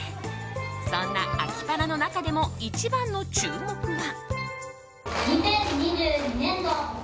そんな「アキパラ！」の中でも一番の注目は。